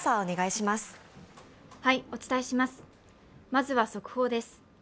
まずは速報です。